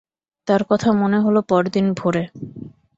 তার কথা মনে হল পরদিন ভোরে।